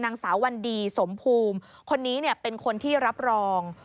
นั่นเองนะคะออกหมายเรียกมาพบในวันที่สิบสี่ครับวันที่สิบสี่